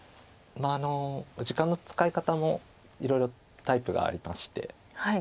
まあ時間の使い方もいろいろタイプがありまして。